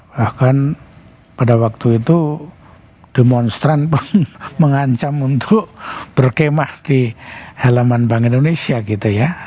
bahkan pada waktu itu demonstran pun mengancam untuk berkemah di halaman bank indonesia gitu ya